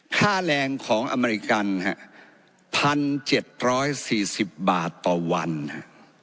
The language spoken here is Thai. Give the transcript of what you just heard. ค่าแรงของอเมริกันฮะพันเจ็ดร้อยสี่สิบบาทต่อวันฮะ